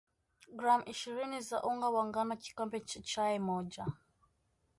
gram ishirini za unga wa ngano kikombe cha chai moja